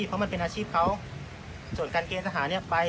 เพราะมันเป็นอาชีพเขาส่วนการเกณฑ์ทหารเนี่ยไป